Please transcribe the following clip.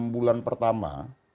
enam bulan pertama